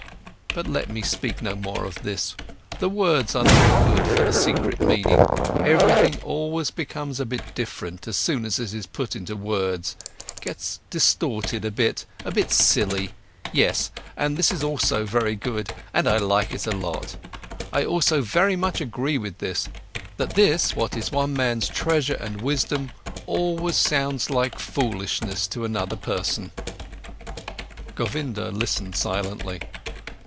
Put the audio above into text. —But let me speak no more of this. The words are not good for the secret meaning, everything always becomes a bit different, as soon as it is put into words, gets distorted a bit, a bit silly—yes, and this is also very good, and I like it a lot, I also very much agree with this, that this what is one man's treasure and wisdom always sounds like foolishness to another person." Govinda listened silently.